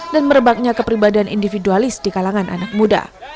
dan merebaknya kepribadian individualis di kalangan anak muda